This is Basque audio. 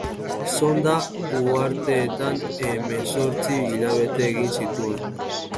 Sonda uharteetan hemezortzi hilabete egin zituen.